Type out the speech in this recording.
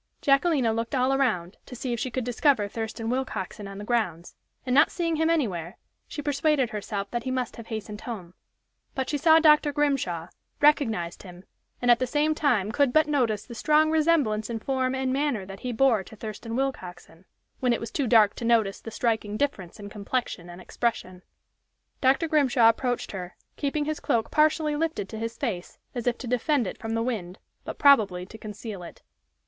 Jacquelina looked all around, to see if she could discover Thurston Willcoxen on the grounds; and not seeing him anywhere, she persuaded herself that he must have hastened home. But she saw Dr. Grimshaw, recognized him, and at the same time could but notice the strong resemblance in form and manner that he bore to Thurston Willcoxen, when it was too dark to notice the striking difference in complexion and expression. Dr. Grimshaw approached her, keeping his cloak partially lifted to his face, as if to defend it from the wind, but probably to conceal it.